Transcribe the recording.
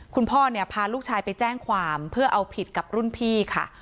คุณพ่อเนี่ยพาลูกชายไปแจ้งความเพื่อเอาผิดกับรุ่นพี่ค่ะ